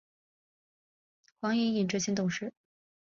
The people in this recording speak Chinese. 黄影影执行董事。